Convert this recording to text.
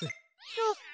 そっか。